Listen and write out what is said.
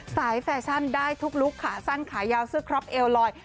แฟชั่นได้ทุกลุคขาสั้นขายาวเสื้อครอบเอวลอย